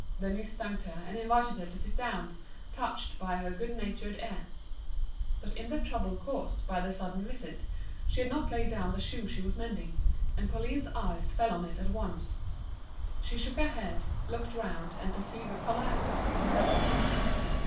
Denise thanked her, and invited her to sit down, touched by her good natured air. But in the trouble caused by the sudden visit she had not laid down the shoe she was mending, and Pauline's eyes fell on it at once. She shook her head, looked round and perceived the collar and cuffs in the basin.